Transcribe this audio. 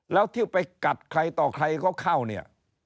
แล้วที่ไปกัดใครต่อใครก็เข้าเนี่ย